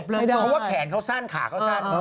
เพราะว่าแขนเขาสั้นขาเขาสั้น